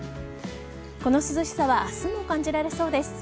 この涼しさは明日も感じられそうです。